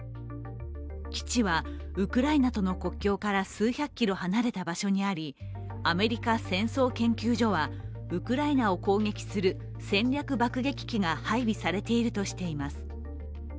基地はウクライナとの国境から数百キロ離れた場所にありアメリカ戦争研究所はウクライナを攻撃する戦略爆撃機が配備されているとしています。